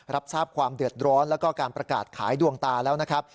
รับทราบความเดือดร้อนแล้วก็การประกาศขายดวงตาแล้วนะครับ